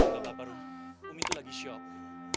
gak apa apa rom umi itu lagi shock